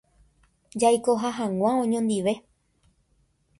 Jaikoha hag̃ua oñondive